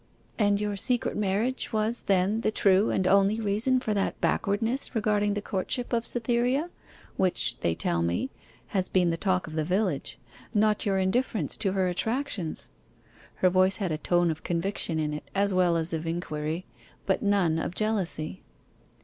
'And your secret marriage was, then, the true and only reason for that backwardness regarding the courtship of Cytherea, which, they tell me, has been the talk of the village; not your indifference to her attractions.' Her voice had a tone of conviction in it, as well as of inquiry; but none of jealousy.